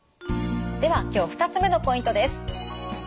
では今日２つ目のポイントです。